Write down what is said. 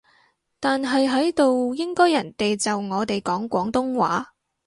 但係喺度應該人哋就我哋講廣東話